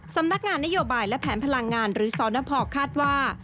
สำนักงานนโยบายและแผนพลังงานหรือสนพคาดว่า